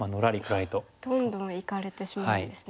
どんどんいかれてしまうんですね。